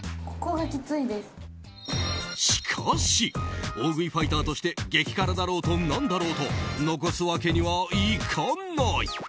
しかし大食いファイターとして激辛だろうと何だろうと残すわけにはいかない。